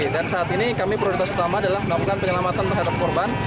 dan saat ini kami prioritas utama adalah melakukan penyelamatan terhadap korban